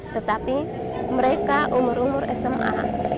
tetapi mereka umur umur sma